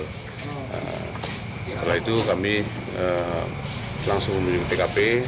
setelah itu kami langsung menuju tkp